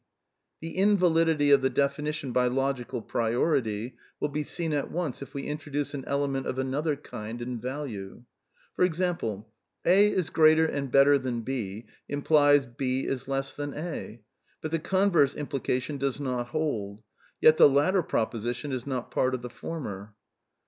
The invalidity of the definition by logical priority will be seen at once if we introduce an element of another kind and value. For example, * A is greater and better than B ' implies * B is less than A'; hut the converse implication does not hold: yet the latter proposition is not part of the former.''